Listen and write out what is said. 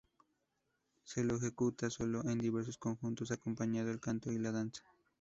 Se lo ejecuta solo o en diversos conjuntos, acompañando el canto y la danza.